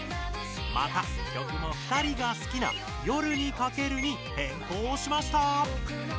また曲も２人が好きな「夜に駆ける」にへんこうしました！